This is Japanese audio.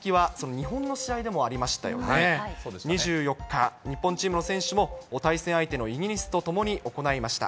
２４日、日本チームの選手も、対戦相手のイギリスと共に行いました。